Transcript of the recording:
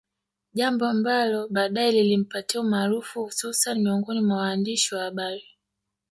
Jambo ambalo baadae lilimpatia umaarufu hususan miongoni mwa waandishi wa habari